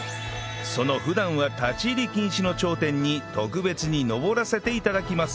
その普段は立ち入り禁止の頂点に特別に上らせて頂きます